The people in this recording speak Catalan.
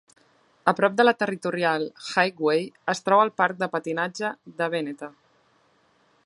A prop de la Territorial Highway es troba el parc de patinatge de Veneta.